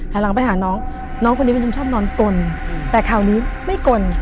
หันหลังไปหาน้องน้องคนนี้เป็นคนชอบนอนกลแต่คราวนี้ไม่กล